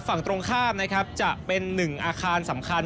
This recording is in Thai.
ฝั่งตรงข้ามนะครับจะเป็นหนึ่งอาคารสำคัญ